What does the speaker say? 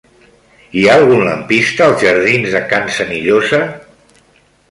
Hi ha algun lampista als jardins de Can Senillosa?